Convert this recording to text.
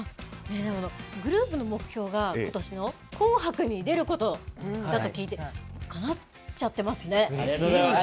でも、グループの目標が、ことしの、紅白に出ることだと聞いて、かなっちゃってますね。